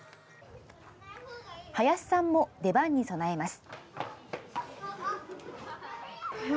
林さんも出番に備えます。